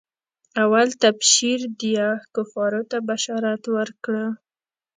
اول تبشير ديه کفارو ته بشارت ورکړه.